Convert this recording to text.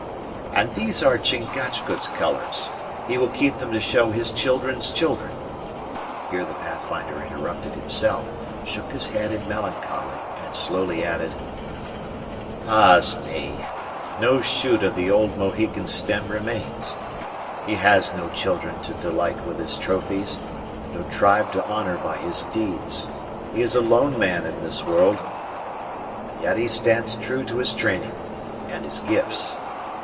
"And these are Chingachgook's colors he will keep them to show his children's children " Here the Pathfinder interrupted himself, shook his head in melancholy, and slowly added, "Ah's me! no shoot of the old Mohican stem remains! He has no children to delight with his trophies; no tribe to honor by his deeds; he is a lone man in this world, and yet he stands true to his training and his gifts!